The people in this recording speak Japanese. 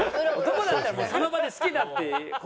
男だったらその場で好きだって告白すればいい。